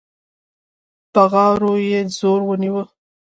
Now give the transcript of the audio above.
بغارو يې زور ونيو.